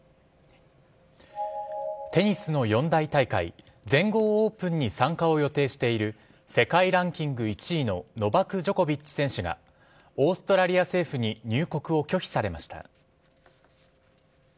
テニスの四大大会全豪オープンに参加を予定している世界ランキング１位のノバク・ジョコビッチ選手がオーストラリア政府に入国を拒否されました。